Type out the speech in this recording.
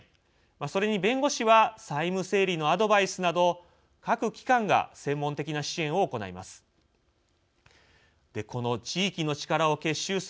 それに弁護士は債務整理のアドバイスなど各機関が専門的な支援を行います。